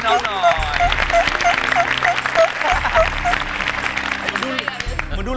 ไม่แกล้ง